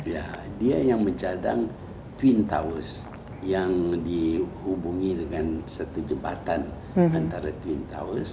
ya dia yang mencadang twin towers yang dihubungi dengan satu jembatan antara twin towers